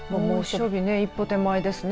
猛暑日一歩手前ですね。